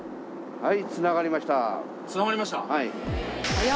はい。